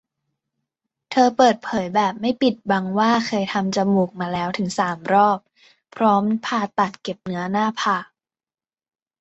เธอเปิดเผยแบบไม่ปิดบังว่าเคยทำจมูกมาแล้วถึง สาม รอบ พร้อมผ่าตัดเก็บเนื้อหน้าผาก